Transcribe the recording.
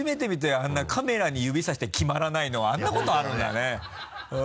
あんなカメラに指さしてキマらないのはあんなことあるんだね。